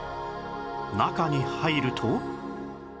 中に入ると